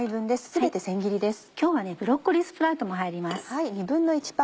今日はブロッコリースプラウトも入ります。